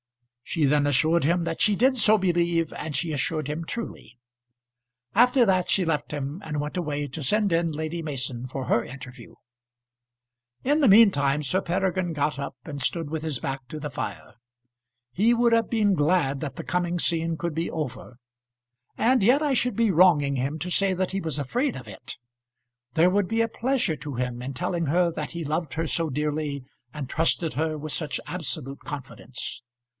She then assured him that she did so believe, and she assured him truly; after that she left him and went away to send in Lady Mason for her interview. In the mean time Sir Peregrine got up and stood with his back to the fire. He would have been glad that the coming scene could be over, and yet I should be wronging him to say that he was afraid of it. There would be a pleasure to him in telling her that he loved her so dearly and trusted her with such absolute confidence.